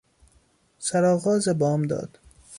سرآغاز بامداد